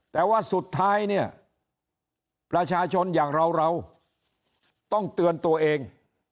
แต่ว่าสุดท้ายเนี่ยประชาชนอย่างเราเราต้องเตือนตัวเอง